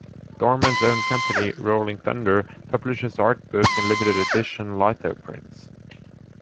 Dorman's own company, Rolling Thunder, publishes art books and limited edition litho prints.